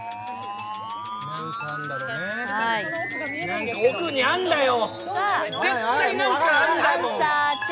何か奥にあるんだよ。